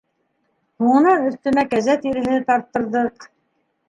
Һуңынан өҫтөнә кәзә тиреһе тарттырҙыҡ.